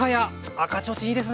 赤ちょうちんいいですね。